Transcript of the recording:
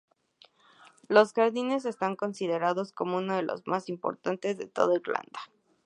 Los jardines están considerados como uno de los más importantes de toda Irlanda.